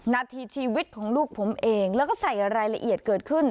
นาทีชีวิตของลูกผมเองแล้วก็ใส่รายละเอียดเกิดขึ้น